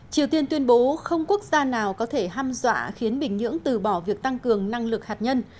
triều tiên tuyên bố không quốc gia nào có thể ham dọa khiến bình nhưỡng từ bỏ việc tăng cường năng lực hạt nhân